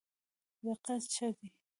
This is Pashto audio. دقت ښه دی.